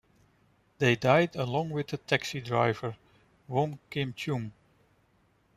They died along with the taxi driver, Wong Kim-chung.